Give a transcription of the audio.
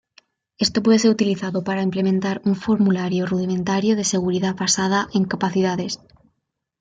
Esto puede ser utilizado para implementar un formulario rudimentario de seguridad basada en capacidades.